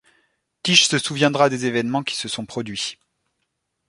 Tish se souviendra des événements qui se sont produits.